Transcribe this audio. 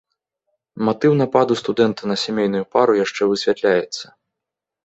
Матыў нападу студэнта на сямейную пару яшчэ высвятляецца.